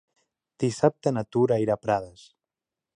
Dissabte na Tura irà a Prades.